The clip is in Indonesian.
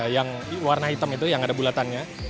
yang warna hitam itu yang ada bulatannya